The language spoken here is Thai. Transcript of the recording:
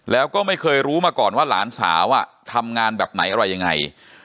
แล้วก็ไม่เคยรู้มาก่อนว่าหลานสาวทำงานแบบไหนอะไรยังไง